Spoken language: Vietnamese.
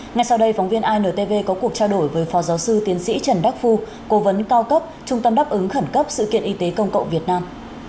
ngay sau đây phóng viên intv có cuộc trao đổi với phó giáo sư tiến sĩ trần đắc phu cố vấn cao cấp trung tâm đáp ứng khẩn cấp sự kiện y tế công cộng việt nam